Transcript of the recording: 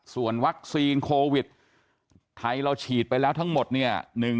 ส่วนวัคซีนโควิดไทยเราฉีดไปแล้วทั้งหมดเนี่ย